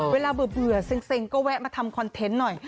เวลาเบื่อเซ็งก็แวะมาทำคอนเทนต์หน่อย